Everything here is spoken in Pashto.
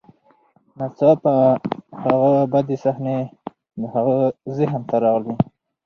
ناڅاپه هغه بدې صحنې د هغه ذهن ته راغلې